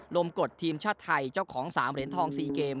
มกดทีมชาติไทยเจ้าของ๓เหรียญทอง๔เกม